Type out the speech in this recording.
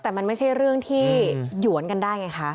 แต่มันไม่ใช่เรื่องที่หยวนกันได้ไงคะ